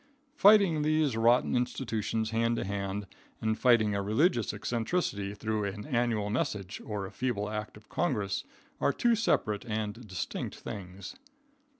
Fighting these rotten institutions hand to hand and fighting a religious eccentricity through an annual message, or a feeble act of congress, are two separate and distinct things.